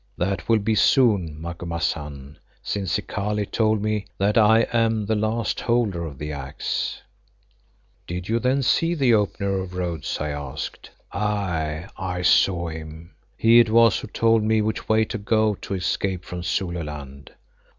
That will be soon, Macumazahn, since Zikali told me that I am the last Holder of the Axe." "Did you then see the Opener of Roads?" I asked. "Aye, I saw him. He it was who told me which way to go to escape from Zululand.